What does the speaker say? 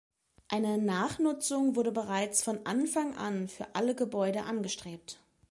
Eine Nachnutzung wurde bereits von Anfang an für alle Gebäude angestrebt.